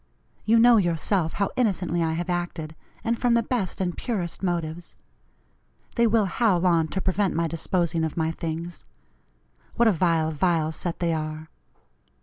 You know yourself how innocently I have acted, and from the best and purest motives. They will howl on to prevent my disposing of my things. What a vile, vile set they are!